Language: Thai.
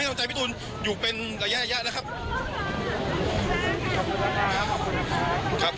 และช่วงใจพี่ตูนอยู่เป็นระยะระยะนะครับฮะครับ